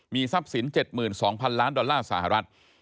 ทรัพย์สิน๗๒๐๐๐ล้านดอลลาร์สหรัฐ